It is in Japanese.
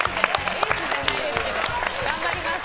エースじゃないですけども頑張ります。